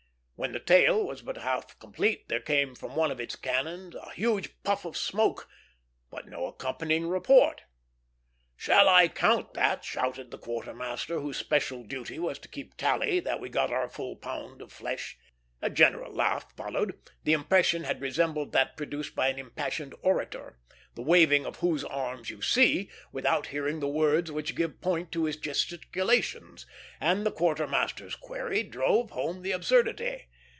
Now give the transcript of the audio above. When the tale was but half complete there came from one of its cannon a huge puff of smoke, but no accompanying report. "Shall I count that?" shouted the quartermaster, whose special duty was to keep tally that we got our full pound of flesh. A general laugh followed; the impression had resembled that produced by an impassioned orator, the waving of whose arms you see, without hearing the words which give point to his gesticulations, and the quartermaster's query drove home the absurdity.